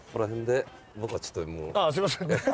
ああっすみません。